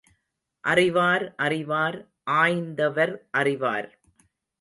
அறிவார் அறிவார், ஆய்ந்தவர் அறிவார்.